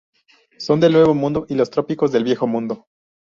Son del nuevo mundo y los trópicos del viejo mundo.